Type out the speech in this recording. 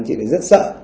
chị lại rất sợ